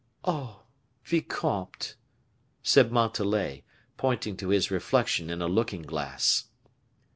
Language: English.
"Oh, vicomte!" said Montalais, pointing to his reflection in a looking glass.